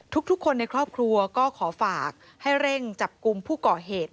ทุกคนในครอบครัวก็ขอฝากให้เร่งจับกลุ่มผู้ก่อเหตุ